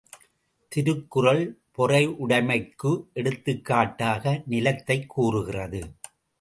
திருக்குறள் பொறையுடைமைக்கு எடுத்துக் காட்டாக நிலத்தைக் கூறுகிறது.